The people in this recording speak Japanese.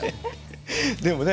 でもね